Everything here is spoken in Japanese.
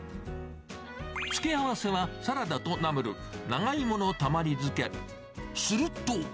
付け合わせはサラダとナムル、長芋のたまり漬け、すると。